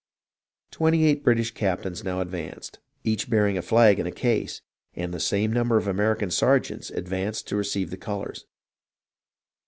Twenty eight British captains now advanced, each bear ing a flag in a case, and the same number of American sergeants advanced to receive the colours.